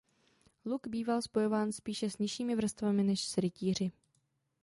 Luk býval spojován spíše s nižšími vrstvami než s rytíři.